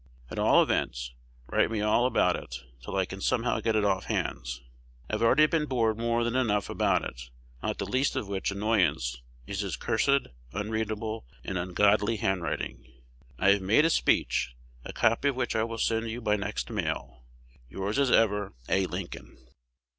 At all events, write me all about it, till I can somehow get it off hands. I have already been bored more than enough about it; not the least of which annoyance is his cursed, unreadable, and ungodly handwriting. I have made a speech, a copy of which I will send you by next mail. Yours as ever, A. Lincoln.